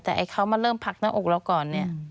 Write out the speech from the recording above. แต่เขามาเริ่มผลักในอกเราก่อน